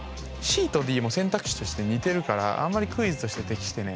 ＣとＤも選択肢として似てるからあんまりクイズとして適してないな。